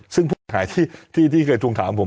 ซึ่งผู้หายที่เคยช่วงถามผม